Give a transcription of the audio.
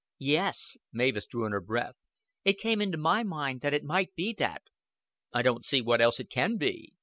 "Yes." Mavis drew in her breath. "It came into my mind that it might be that." "I don't see what else it can be."